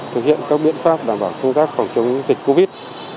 thực hiện các biện pháp đảm bảo khung tác phòng chống dịch covid một mươi chín